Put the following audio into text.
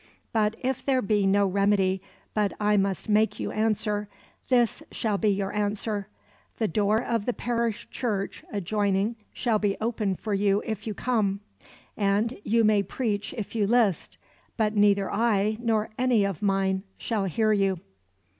But if there be no remedy but I must make you answer, this shall be your answer: the door of the parish church adjoining shall be open for you if you come, and you may preach if you list; but neither I nor any of mine shall hear you."